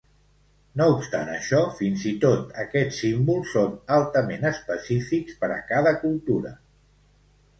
No obstant això, fins i tot aquests símbols són altament específics per a cada cultura.